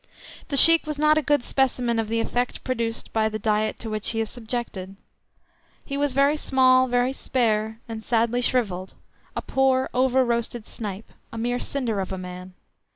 The Sheik was not a good specimen of the effect produced by the diet to which he is subjected. He was very small, very spare, and sadly shrivelled, a poor, over roasted snipe, a mere cinder of a man.